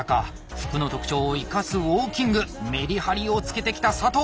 服の特徴を生かすウォーキングメリハリをつけてきた佐藤！